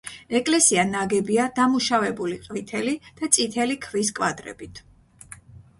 ეკლესია ნაგებია დამუშავებული ყვითელი და წითელი ქვის კვადრებით.